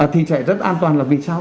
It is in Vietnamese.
thì sẽ rất an toàn là vì sao